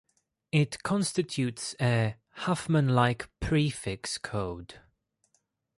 It constitutes a Huffman-like prefix code.